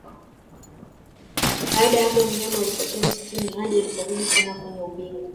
Baada ya hapo mnyama alipotea msituni hadi aliporudi tena kwenye ubingwa